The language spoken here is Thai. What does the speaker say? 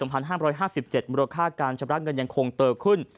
มูลค่าการชำระเงินยังคงโตขึ้น